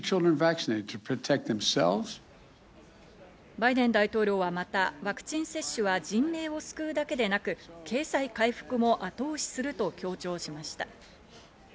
バイデン大統領はまたワクチン接種は人命を救うだけでなく経済回復も後押しすると強調しました。